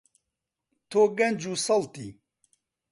تۆ گەنج و سەڵتی.